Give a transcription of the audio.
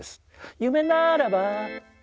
「夢ならば」